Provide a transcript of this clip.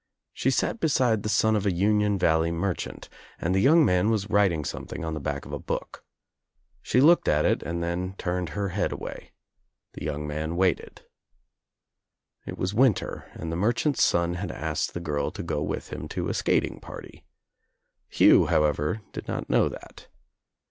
She sat beside the son of a Union Valley merchant and the young man was writ ing something on the back of a book. She looked at it and then turned her head away. The young man waited. It was winter and the merchant's son had asked the girl to go with him to a skating party. Hugh, how ever, did not know that.